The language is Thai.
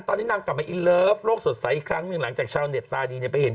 ตอนนี้นางกลับมาอยู่รับโรคสดศัยอีกครั้งอยู่หลายจากชาวเน็ตตาดีเนี้ย